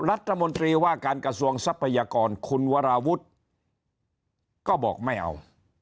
รัฐมนตรีว่าการกระทรวงทรัพยากรคุณวราวุฒิก็บอกไม่เอา